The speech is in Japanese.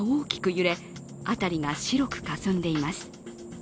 揺れ辺りが白くかすんでいます。